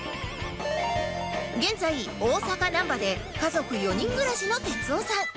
現在大阪難波で家族４人暮らしの哲夫さん